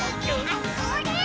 あ、それっ！